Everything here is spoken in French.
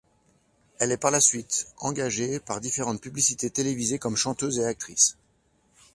Elle est par la suite engagée pour différentes publicités télévisées comme chanteuse et actrice.